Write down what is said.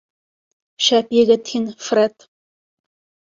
— Шәп егет һин, Фред.